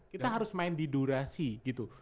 kita harus main di durasi gitu